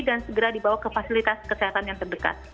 dan segera dibawa ke fasilitas kesehatan yang terdekat